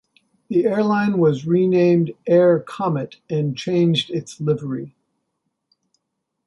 The airline was renamed 'Air Comet' and changed its livery.